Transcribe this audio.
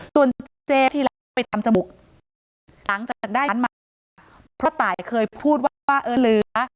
ส่วนเจ๊ที่แล้วไปทำจมูกหลังจากได้ทานมาเพราะว่าตายเคยพูดว่าเอิ้นลื้อ